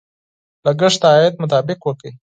لګښت د عاید مطابق وکړئ.